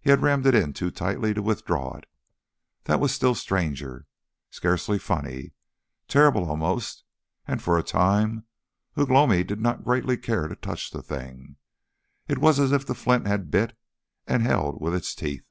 He had rammed it in too tightly to withdraw it. That was still stranger scarcely funny, terrible almost, and for a time Ugh lomi did not greatly care to touch the thing. It was as if the flint had bit and held with its teeth.